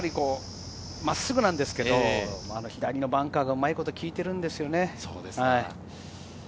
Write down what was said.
真っすぐなんですけれど、左のバンカーがうまいこと利いているんですよね。